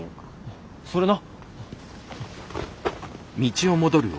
それな。